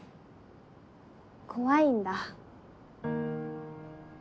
怖いんだ。